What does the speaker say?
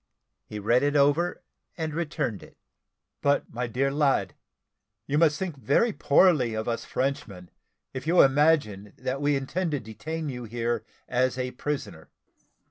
He read it over, and returned it. "But, my dear lad, you must think very poorly of us Frenchmen, if you imagine that we intend to detain you here as a prisoner.